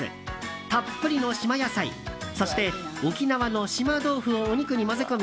たっぷりの島野菜そして沖縄の島豆腐をお肉に混ぜ込み